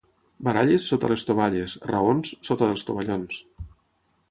Baralles, sota les tovalles; raons, sota dels tovallons.